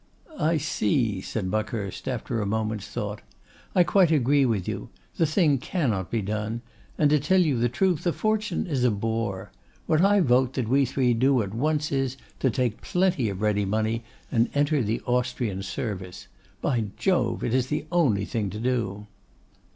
'I see,' said Buckhurst, after a moment's thought, 'I quite agree with you. The thing cannot be done; and, to tell you the truth, a fortune is a bore. What I vote that we three do at once is, to take plenty of ready money, and enter the Austrian service. By Jove! it is the only thing to do.